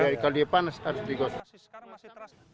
ya kalau dia panas harus digosok